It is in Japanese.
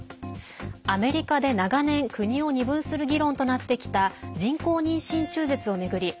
アメリカで長年国を二分する議論となってきた人工妊娠中絶を巡り